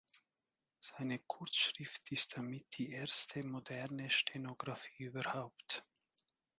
Seine Kurzschrift ist damit die erste moderne Stenographie überhaupt.